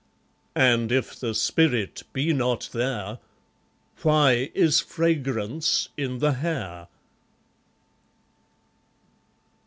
And if the spirit be not there, Why is fragrance in the hair?